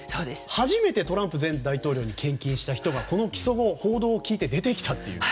初めてトランプ前大統領に献金した人がこの起訴後、報道を聞いて出てきたと。